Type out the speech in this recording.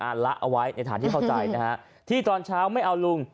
ละเอาไว้ในฐานที่เข้าใจนะฮะที่ตอนเช้าไม่เอาลุง